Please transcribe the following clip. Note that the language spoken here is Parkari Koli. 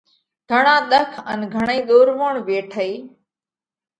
گھڻا ۮک ان گھڻئِي ۮورووڻ ويٺئِي۔